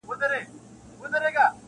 يادوي به د يارانو سفرونه-